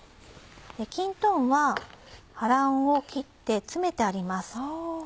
きんとんは葉らんを切って詰めてあります。